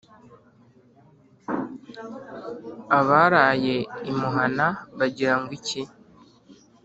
abaraye imuhana bagira ngo iki ?